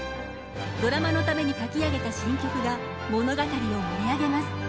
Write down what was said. ドラマのために書き上げた新曲が物語を盛り上げます。